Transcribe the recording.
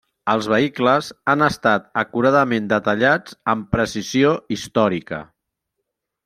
Els vehicles han estat acuradament detallats amb precisió històrica.